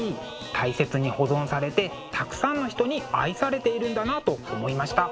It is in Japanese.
大切に保存されてたくさんの人に愛されているんだなと思いました。